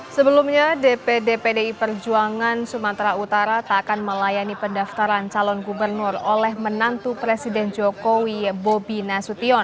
sebelumnya dpd pdi perjuangan sumatera utara tak akan melayani pendaftaran calon gubernur oleh menantu presiden jokowi bobi nasution